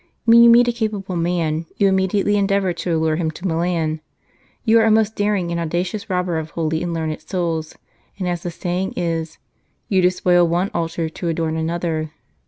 When you meet a capable man, you immediately endeavour to allure him to Milan ; you are a most daring and audacious robber of holy and learned souls, and, as the saying is, You despoil one altar to adorn another.